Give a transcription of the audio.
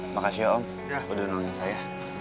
makasih ya om udah nangis saya